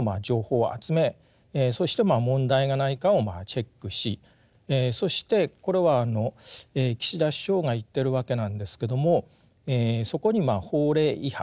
そして問題がないかをチェックしそしてこれは岸田首相が言ってるわけなんですけどもそこに法令違反